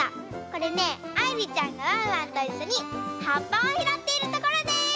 これねあいりちゃんがワンワンといっしょにはっぱをひろっているところです！